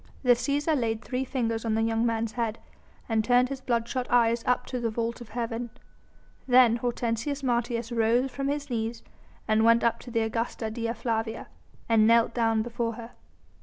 The Cæsar laid three fingers on the young man's head, and turned his bloodshot eyes up to the vault of heaven. Then Hortensius Martius rose from his knees and went up to the Augusta Dea Flavia, and knelt down before her.